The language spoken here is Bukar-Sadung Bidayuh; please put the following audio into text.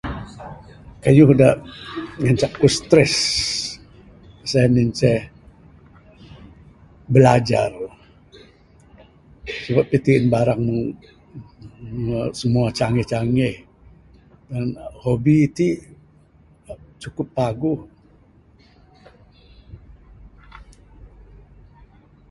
Kayuh da ngancak aku stress sien inceh bilajar. Sabab iti ne barang mbuh simua canggih canggih. Ngan hobi ti cukup paguh.